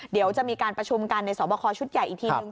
เดี๋ยวจะมีการประชุมกันในสอบคอชุดใหญ่อีกทีนึง